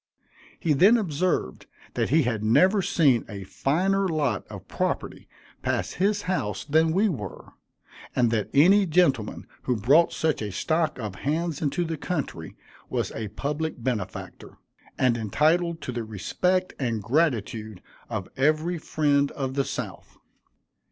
He then observed that he had never seen a finer lot of property pass his house than we were, and that any gentleman who brought such a stock of hands into the country was a public benefactor, and entitled to the respect and gratitude of every friend of the South.